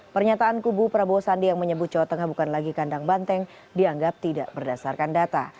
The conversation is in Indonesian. pernyataan kubu prabowo sandi yang menyebut jawa tengah bukan lagi kandang banteng dianggap tidak berdasarkan data